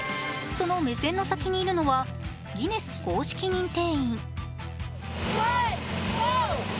その目線の先にいるのはギネス公式認定員。